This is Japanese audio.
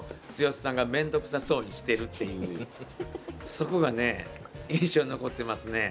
そこがね、印象に残ってますね。